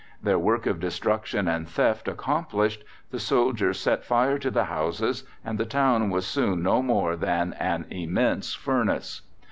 Their work of destruction and theft accomplished, the soldiers set fire to the houses, and the town was soon no more than an immense furnace.